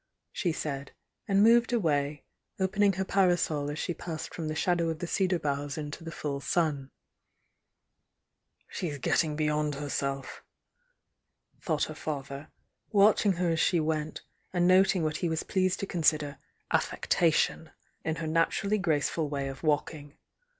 she said, and moved away, opening her parasol as she passed from the shadow of the cedar boughs into the full sun. "She's getting beyond herself!" thought her fa ther, watching her as she went, and noting what he was pleased to consider "affectation" in her natur ally graceful way of walking.